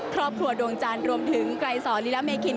ครอบครัวดวงจานรวมถึงไกลศรลิละเมคิน